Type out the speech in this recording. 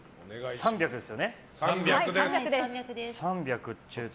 ３００ですよ。